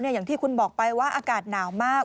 อย่างที่คุณบอกไปว่าอากาศหนาวมาก